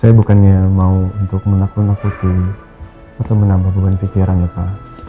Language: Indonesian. saya bukannya mau untuk menakluna putih atau menambah beban pikirannya opa